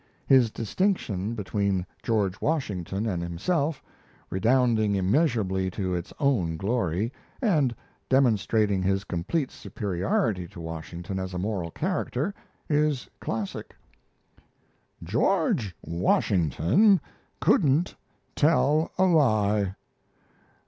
His distinction between George Washington and himself, redounding immeasurably to his own glory, and demonstrating his complete superiority to Washington as a moral character, is classic: "George Washington couldn't tell a lie.